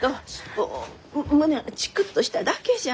こう胸がチクッとしただけじゃ。